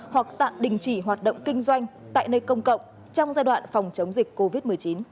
hoặc tạm đình chỉ hoạt động kinh doanh tại nơi công cộng trong giai đoạn phòng chống dịch covid một mươi chín